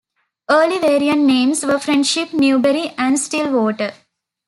Early variant names were Friendship, Newberry, and Stillwater.